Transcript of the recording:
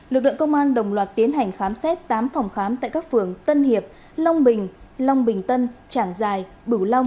lực lượng công an đồng loạt tiến hành khám xét tám phòng khám tại các phường tân hiệp long bình long bình tân trảng giải bửu long